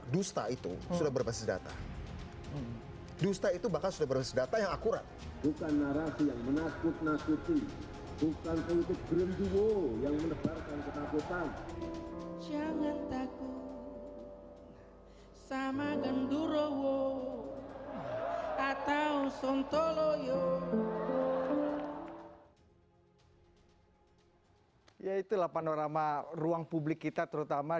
dusta itu sudah berbasis data dusta itu bahkan sudah berbasis data yang akurat